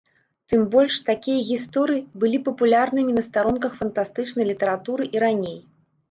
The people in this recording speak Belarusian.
Тым больш, такія гісторыі былі папулярнымі на старонках фантастычнай літаратуры і раней.